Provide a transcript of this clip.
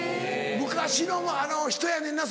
昔の人やねんな